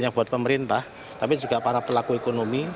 tidak hanya buat pemerintah tapi juga para pelaku ekonomi